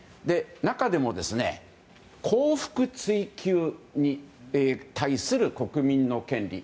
中でも、幸福追求に対する国民の権利。